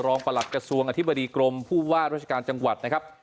ประหลัดกระทรวงอธิบดีกรมผู้ว่าราชการจังหวัดนะครับ